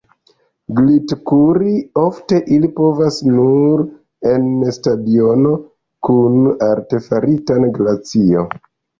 Glitkuri ofte ili povas nur en stadiono kun artefarita glacio.